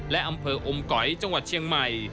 และอำเภออมก๋อยจังหวัดเชียงใหม่